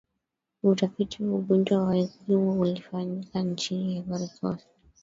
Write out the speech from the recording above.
utafiti wa ugonjwa wa ukimwi ulifanyika nchini ivory coast